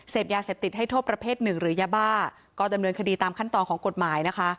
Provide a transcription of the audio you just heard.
ยาเสพติดให้โทษประเภทหนึ่งหรือยาบ้าก็ดำเนินคดีตามขั้นตอนของกฎหมายนะคะ